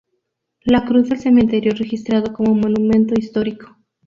La cruz del cementerio registrado como Monumento Histórico.